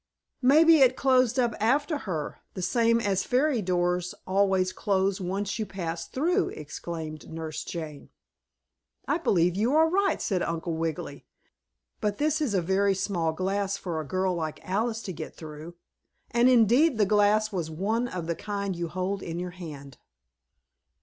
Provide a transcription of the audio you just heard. "Maybe it closed up after her, the same as fairy doors always close once you pass through," explained Nurse Jane. "I believe you are right," said Uncle Wiggily. "But this is a very small glass for a girl like Alice to get through," and indeed the glass was one of the kind you hold in your hand.